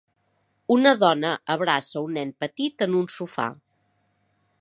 Una dona abraça un nen petit en un sofà.